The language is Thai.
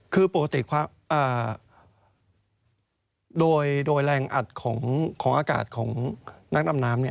คือปกติโดยแรงอัดของอากาศของนักดำน้ำ